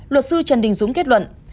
luật sư trần đình dũng kết luận